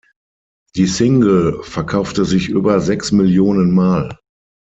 Die Single verkaufte sich über sechs Millionen Mal.